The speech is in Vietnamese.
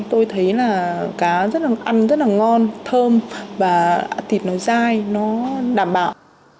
tôi thấy là cá rất là ăn rất là ngon thơm và thịt nó dai nó đảm bảo